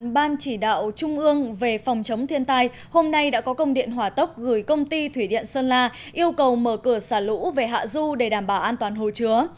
ban chỉ đạo trung ương về phòng chống thiên tai hôm nay đã có công điện hỏa tốc gửi công ty thủy điện sơn la yêu cầu mở cửa xả lũ về hạ du để đảm bảo an toàn hồ chứa